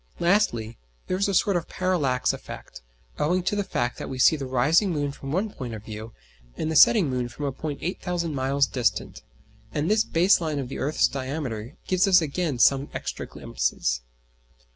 Lastly, there is a sort of parallax effect, owing to the fact that we see the rising moon from one point of view, and the setting moon from a point 8,000 miles distant; and this base line of the earth's diameter gives us again some extra glimpses.